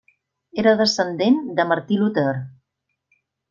Era descendent de Martí Luter.